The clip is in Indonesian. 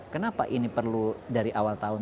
kenapa ini perlu dari awal tahun